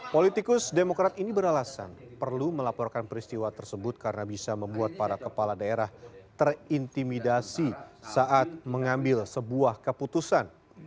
politikus demokrat ini beralasan perlu melaporkan peristiwa tersebut karena bisa membuat para kepala daerah terintimidasi saat mengambil sebuah keputusan